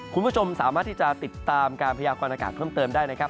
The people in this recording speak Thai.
คุณผู้ชมสามารถที่จะติดตามการพยากรณากาศเพิ่มเติมได้นะครับ